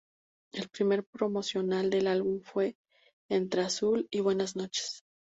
El primer promocional del álbum fue "Entre azul y buenas noches".